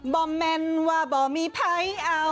บ่แม่นว่าบ่มีภัยเอา